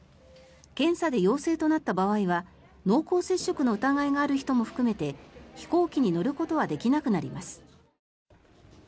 検査で陽性となった場合は濃厚接触の疑いのある人も含めて飛行機に乗ることはできなくなります。